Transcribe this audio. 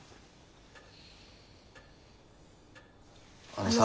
あのさ。